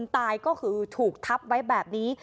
ถูกทับไว้แบบนี้